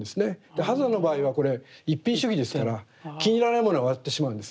波山の場合はこれ一品主義ですから気に入らないものは割ってしまうんです。